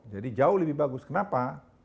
jadi jauh lebih bagus kenapa